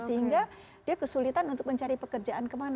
sehingga dia kesulitan untuk mencari pekerjaan kemana